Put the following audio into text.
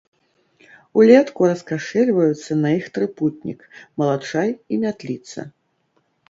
Улетку раскашэльваюцца на іх трыпутнік, малачай і мятліца.